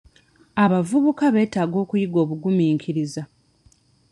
Abavubuka beetaaga okuyiga obugumiikiriza.